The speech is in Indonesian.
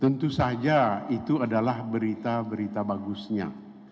tentu saja itu adalah berita berita bagusnya